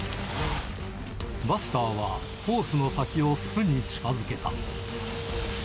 バスターはホースの先を巣に近づけた。